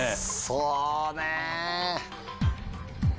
そうね。